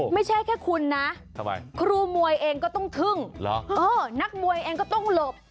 ไม่ใช่แค่คุณนะครูมวยเองก็ต้องทึ่งนักมวยเองก็ต้องหลบ